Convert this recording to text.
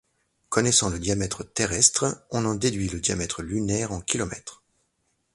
Connaissant le diamètre terrestre, on en déduit le diamètre lunaire en kilomètres.